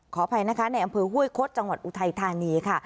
ขออภัยนะคะในอำเภอห้วยคดจังหวัดอุทัยธานีค่ะ